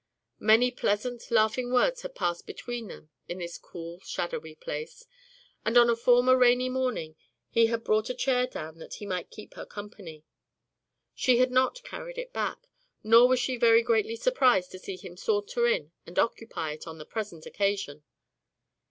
Many pleasant, laughing words had passed between them in this cool, shadowy place, and on a former rainy morning he had brought a chair down that he might keep her company. She had not carried it back, nor was she very greatly surprised to see him saunter in and occupy it on the present occasion.